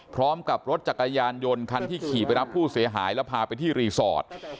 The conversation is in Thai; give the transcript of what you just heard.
พร้อมกับรถจักรยานยนต์คันที่ขี่ไปรับผู้เสียหายแล้วพาไปที่รีสอร์ท